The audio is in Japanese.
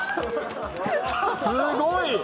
すごい！